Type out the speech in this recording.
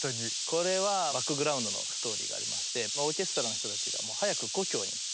これはバックグラウンドのストーリーがありましてオーケストラの人たちがもう早く故郷に帰りたいと。